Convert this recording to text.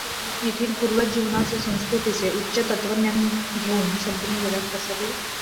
येथील पूर्वज जीवनाचे, संस्कृतीचे उच्च तत्त्वज्ञान घेऊन संपूर्ण जगात पसरले.